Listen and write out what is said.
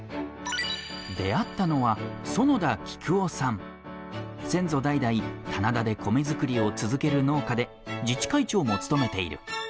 出会ったのは先祖代々棚田で米作りを続ける農家で自治会長も務めている。